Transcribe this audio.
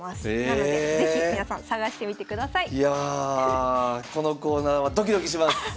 なのでいやこのコーナーはドキドキします！